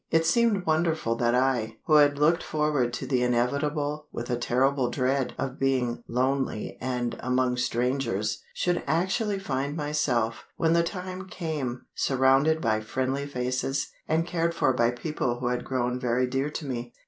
It seemed wonderful that I, who had looked forward to the inevitable with a terrible dread of being lonely and among strangers, should actually find myself, when the time came, surrounded by friendly faces, and cared for by people who had grown very dear to me.